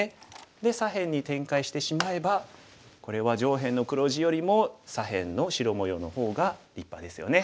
で左辺に展開してしまえばこれは上辺の黒地よりも左辺の白模様の方が立派ですよね。